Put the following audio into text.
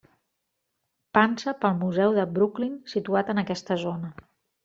Pansa pel Museu de Brooklyn situat en aquesta zona.